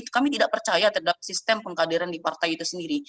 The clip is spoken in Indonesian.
kami tidak percaya terhadap sistem pengkaderan di partai itu sendiri